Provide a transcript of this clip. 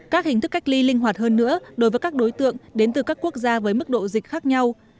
các hình thức cách ly linh hoạt hơn nữa đối với các đối tượng đến từ các quốc gia với mức độ dịch khác nhau